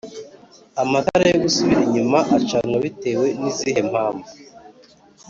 amatara yo gusubira inyuma acanwa bitewe nizihe mpamvu